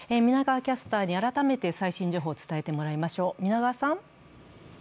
皆川キャスターに改めて最新情報を伝えてもらいましょう。